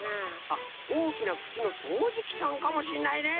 あっおおきなくちのそうじきさんかもしんないね。